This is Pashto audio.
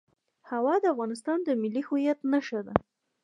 هوا د افغانستان د ملي هویت نښه ده.